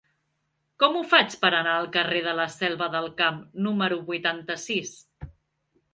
Com ho faig per anar al carrer de la Selva del Camp número vuitanta-sis?